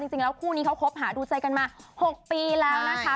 จริงแล้วคู่นี้เขาคบหาดูใจกันมา๖ปีแล้วนะคะ